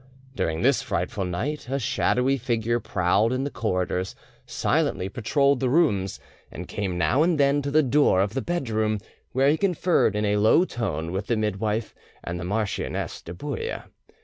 During this frightful night a shadowy figure prowled in the corridors, silently patrolled the rooms, and came now and then to the door of the bedroom, where he conferred in a low tone with the midwife and the Marchioness de Bouille.